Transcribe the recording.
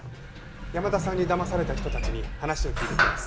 山田さんに騙された人たちに話を聞いてきます。